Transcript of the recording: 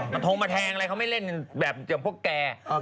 มันทงมาแทงเลยเขาไม่เล่นแบบพวกแก